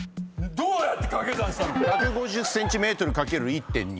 どうやって掛け算したの⁉１５０ｃｍ×１．２。